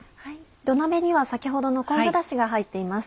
土鍋には先ほどの昆布だしが入っています。